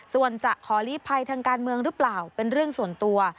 ส่วนจะขอลีภัยทางการเมืองหรือเปล่าเป็นเรื่องส่วนตัว